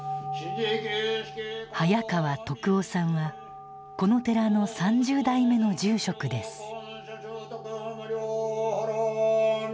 早川篤雄さんはこの寺の３０代目の住職です。